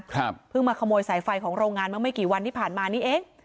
เพิ่งมาขโมยสายไฟของโรงงานเมื่อไม่กี่วันที่ผ่านมานี่เอง